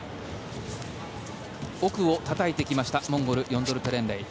奥をたたいてきたモンゴルヨンドンペレンレイ。